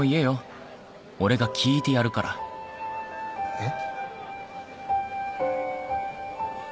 えっ？